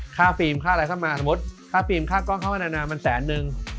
ฟิล์มค่าอะไรเข้ามาสมมุติค่าฟิล์มค่ากล้องเข้ามานานามันแสนนึง